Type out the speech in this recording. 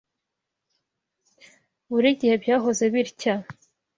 Buri gihe byahoze gutya.